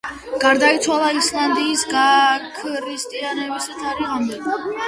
გარდაიცვალა ისლანდიის გაქრისტიანების თარიღამდე.